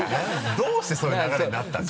どうしてそういう流れになったんだ。